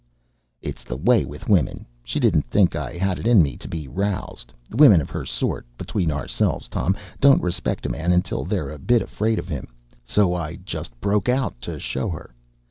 "It's the way with women. She didn't think I 'ad it in me to be roused. Women of her sort (between ourselves, Tom) don't respect a man until they're a bit afraid of him. So I just broke out to show her.